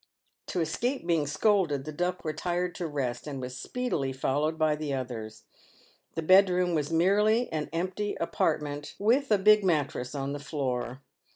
To escape being scolded, the Duck retired to rest and was speedily followed by the others. The bedroom was merely an empty apartment, with a big mattress on the floor.